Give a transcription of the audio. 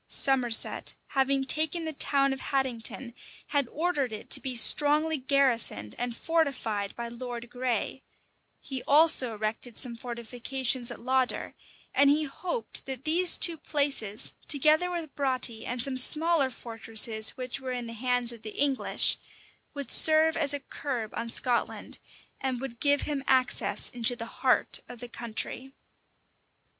Somerset, having taken the town of Haddington, had ordered it to be strongly garrisoned and fortified by Lord Grey: he also erected some fortifications at Lauder; and he hoped that these two places, together with Broughty and some smaller fortresses which were in the hands of the English, would serve as a curb on Scotland, and would give him access into the heart of the country.